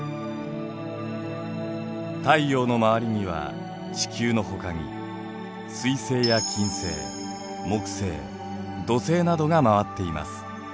太陽の周りには地球のほかに水星や金星木星土星などが回っています。